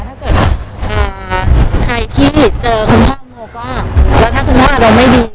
ถ้าเกิดใครที่เจอคุณพ่อโมก็แล้วถ้าคุณพ่ออารมณ์ไม่ดี